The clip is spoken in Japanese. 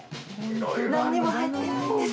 なんにも入ってないんです。